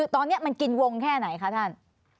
ตอนนี้มันกินวงแค่ไหนคะท่าน